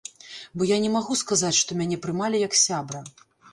Бо я не магу сказаць, што мяне прымалі як сябра.